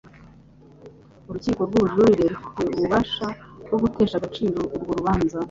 urukiko rw ubujurire rufite ububasha bwogutesha agaciro urwo rubanza